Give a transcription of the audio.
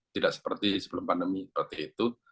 tidak seperti sebelum pandemi seperti itu